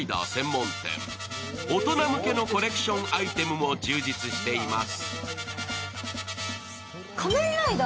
専門店大人向けのコレクションアイテムも充実しています。